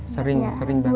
sering sering banget